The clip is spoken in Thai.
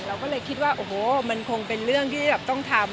เราก็เลยคิดว่าโอ้โหมันคงเป็นเรื่องที่แบบต้องทำ